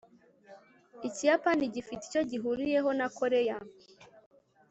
ikiyapani gifite icyo gihuriyeho na koreya